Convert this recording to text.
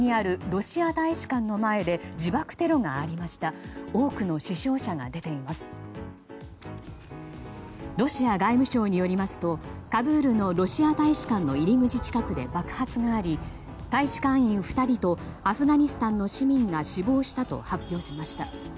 ロシア外務省によりますとカブールのロシア大使館の入り口近くで爆発があり大使館員２人とアフガニスタンの市民が死亡したと発表しました。